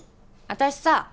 私さ